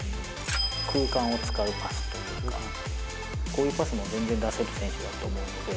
空間を使うパスというか、こういうパスも全然出せる選手だと思うので。